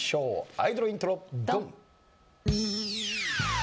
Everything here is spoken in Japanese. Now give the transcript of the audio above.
アイドルイントロドン！